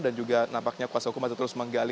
dan juga nampaknya kuasa hukum masih terus menggali